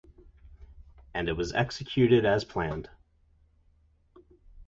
And it was executed as planned.